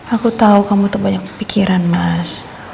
aku tau kamu terbanyak pikiran mas